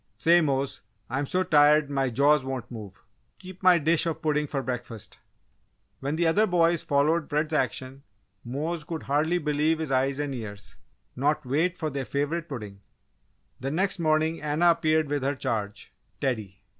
"Say, Mose, I'm so tired my jaws won't move! Keep my dish of pudding for breakfast." When the other boys followed Fred's action, Mose could hardly believe his eyes and ears not wait for their favourite pudding! The next morning Anna appeared with her charge, Teddy.